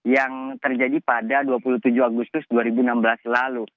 yang terjadi pada dua puluh tujuh agustus dua ribu enam belas lalu